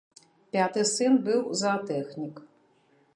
Пяты сын быў заатэхнік.